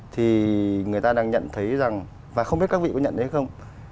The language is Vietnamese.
thì người ta đang nhận thấy rằng và không biết các vị có nhận thấy không